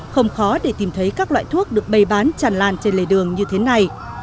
không khó để tìm thấy các loại thuốc được bày bán tràn lan trên lề đường như thế này